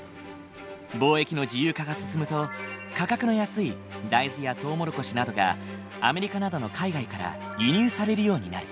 貿易の自由化が進むと価格の安い大豆やトウモロコシなどがアメリカなどの海外から輸入されるようになる。